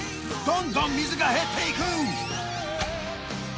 どんどん水が減っていく！